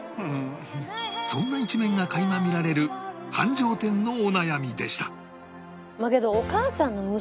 そんな一面が垣間見られる繁盛店のお悩みでした